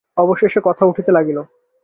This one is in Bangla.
অবশেষে কথা উঠিতে লাগিল।